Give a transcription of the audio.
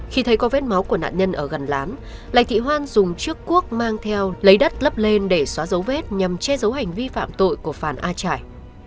khi thấy có vết máu của nạn nhân ở gần lán lại thị hoan dùng chiếc cuốc mang theo lấy đất lấp lên để xóa dấu vết nhằm che giấu hành vi phạm tội của phàn a trải